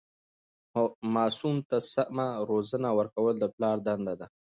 ماسوم ته سمه روزنه ورکول د پلار دنده ده.